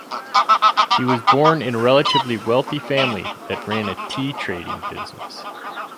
He was born in a relatively wealthy family that ran a tea trading business.